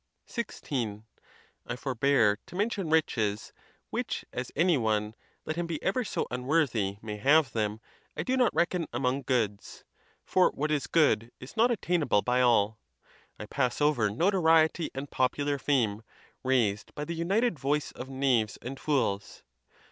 XVI. I forbear to mention riches, which, as any one, let him be ever so unworthy, may have them, I do not reckon among goods; for what is good is not attainable by all. I pass over notoriety and popular fame, raised by the united voice of knaves and fools.